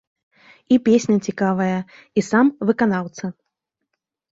І песня цікавая, і сам выканаўца.